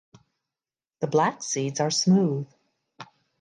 The black seeds are smooth.